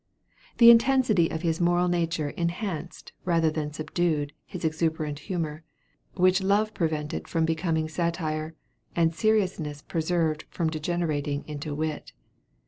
The intensity of his moral nature enhanced rather than subdued his exuberant humor, which love prevented from becoming satire, and seriousness preserved from degenerating into wit.